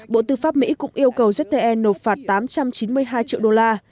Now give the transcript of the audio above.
bộ tư pháp mỹ cũng yêu cầu jetteel nộp phạt tám trăm chín mươi hai triệu đô la